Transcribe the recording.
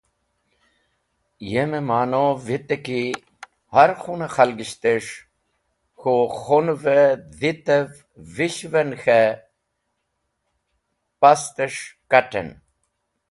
Yem-e ma’no vite ki har khun-e khalgishtes̃h k̃hũ khun’v-e dhitev vishũven k̃he pastes̃h kat̃en.